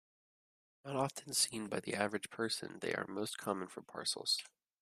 Not often seen by the average person, they are most common for parcels.